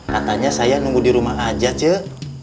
katanya saya nunggu di rumah aja cek